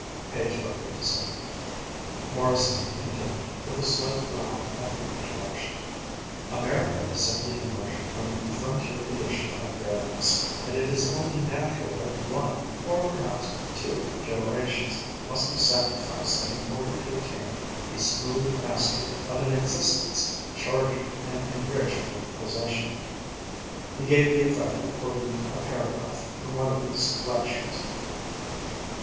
Page broke in to say. Morrison continued, with a slight frown at the interruption, "America is simply emerging from the frontier condition of bareness, and it is only natural that one, or perhaps two generations must be sacrificed in order to attain a smooth mastery of an existence charged and enriched with possession." He gave the effect of quoting a paragraph from one of his lectures.